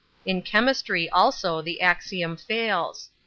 In chemistry also the axiom fails.